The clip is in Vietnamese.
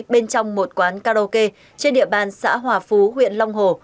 bên trong một quán karaoke trên địa bàn xã hòa phú huyện long hồ